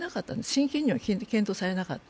真剣には検討されなかった。